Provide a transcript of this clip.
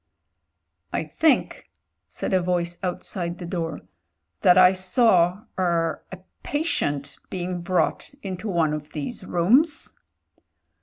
"I think," said a voice outside the door, "that I saw— er — sl patient being brought into one of these rooms."